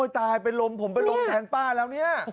ตายเป็นลมผมเป็นลมแทนป้าแล้วเนี่ย